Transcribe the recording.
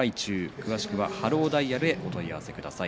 詳しくはハローダイヤルへお問い合わせください。